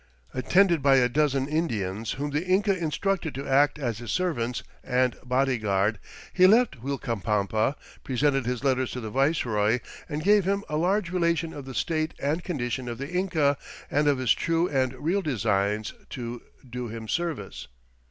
Attended by a dozen Indians whom the Inca instructed to act as his servants and bodyguard, he left Uilcapampa, presented his letters to the viceroy, and gave him "a large relation of the State and Condition of the Inca, and of his true and real designs to doe him service."